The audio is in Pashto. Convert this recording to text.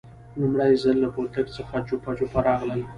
لومړی ځل له بولدک څخه جوپه جوپه راغلل.